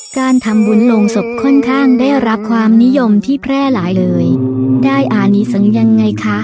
การทำบุญลงศพค่อนข้างได้รับความนิยมที่แพร่หลายเลยได้อานิสังยังไงคะ